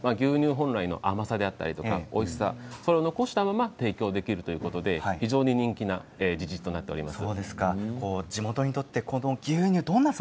本来の甘さであったりおいしさそれを残したまま提供できるということで非常に人気なぢちちとなっています。